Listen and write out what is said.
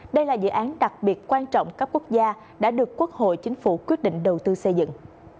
đây là dự án đặc biệt quan trọng cấp quốc gia đã được quốc hội chính phủ quyết định đầu tư xây dựng